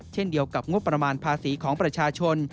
เช่นเดียวกับงบประมาณภาษีของประชาชน